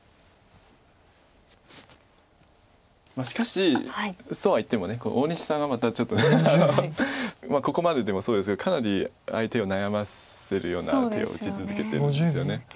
しかしそうは言っても大西さんがまたちょっとここまででもそうですがかなり相手を悩ませるような手を打ち続けてるんですよね。